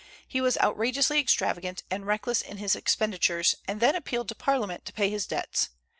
He was outrageously extravagant and reckless in his expenditures, and then appealed to Parliament to pay his debts.